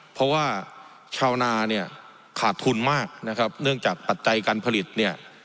เพราะว่าชาวนาเนี่ยขาดทุนมากนะครับเนื่องจากปัจจัยการผลิตเนี่ย